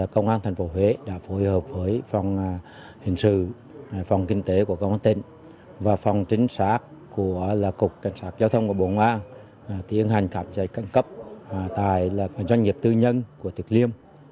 công an thành phố huế đã phối hợp với phòng hình sự phòng kinh tế của công an tỉnh và phòng chính xác của cục cảnh sát giao thông của bộ ngoan tiến hành khám xét khẩn cấp tại doanh nghiệp tư nhân của thực liêm